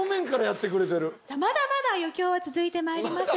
まだまだ余興は続いてまいります。